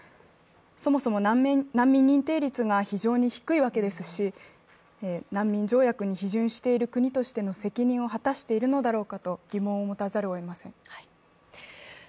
そもそも難民認定率が非常に低いわけですし、難民条約に批准している国として責任を果たしているのだろうかと疑問を持たざるをえません。